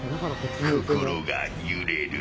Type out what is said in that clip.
心が揺れる。